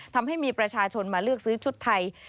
ทำให้มีประชาชนมาเลือกซื้อชุดไทย